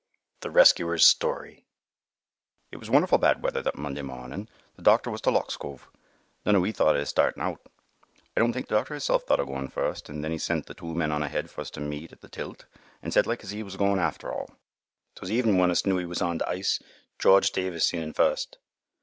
THE RESCUERS' STORY "It was wonderfu' bad weather that Monday mornin'. Th' doctor was to Lock's Cove. None o' we thought o' 'is startin' out. I don't think th' doctor hisself thought o' goin' at first an' then 'e sent th' two men on ahead for to meet us at th' tilt an' said like 's 'e was goin' after all. "'Twas even' when us knew 'e was on th' ice. George Davis seen un first.